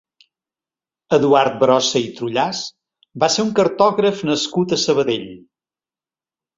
Eduard Brossa i Trullàs va ser un cartògraf nascut a Sabadell.